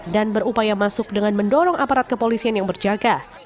dan berupaya masuk dengan mendorong aparat kepolisian yang berjaga